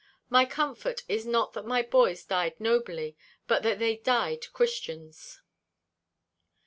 My comfort is not that my boys died nobly, but that they died Christians."